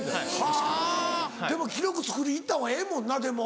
はぁでも記録作りに行ったほうがええもんなでも。